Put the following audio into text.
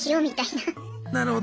なるほど。